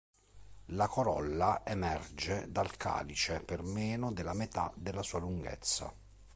La corolla emerge dal calice per meno della metà della sua lunghezza.